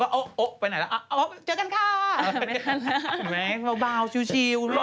เขาก็นั่งอยู่ในสตูดิโอ